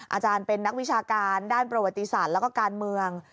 อาจารย์เป็นนักวิชาการด้านประวัติศาสตร์แล้วก็การเมือง